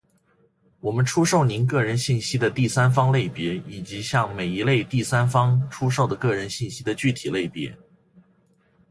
我们出售您个人信息的第三方类别，以及向每一类第三方出售的个人信息的具体类别。